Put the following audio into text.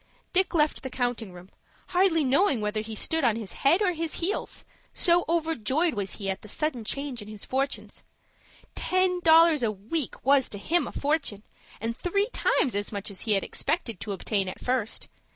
Dick left the counting room, hardly knowing whether he stood on his head or his heels, so overjoyed was he at the sudden change in his fortunes. Ten dollars a week was to him a fortune, and three times as much as he had expected to obtain at first.